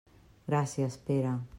Gràcies, Pere.